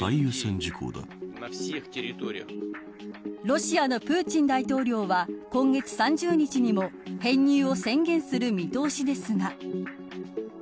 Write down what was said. ロシアのプーチン大統領は今月３０日にも編入を宣言する見通しですが。